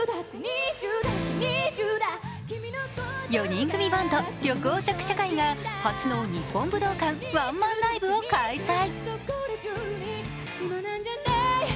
４人組バンド・緑黄色社会が初の日本武道館ワンマンライブを開催。